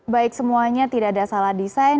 baik semuanya tidak ada salah desain